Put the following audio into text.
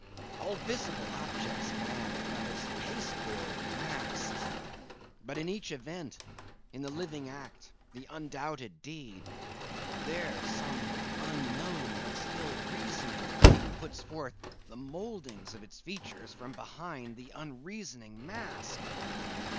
All visible objects, man, are but as pasteboard masks. But in each event—in the living act, the undoubted deed—there, some unknown but still reasoning thing puts forth the mouldings of its features from behind the unreasoning mask.